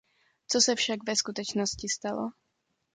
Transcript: Co se však ve skutečnosti stalo?